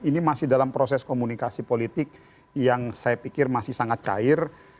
ini masih dalam proses komunikasi politik yang saya pikir masih sangat cair